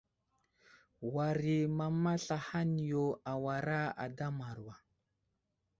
War i mama slahaŋ yo awara ada Mawra.